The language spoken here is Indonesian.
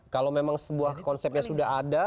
kalau memang sebuah konsepnya sudah ada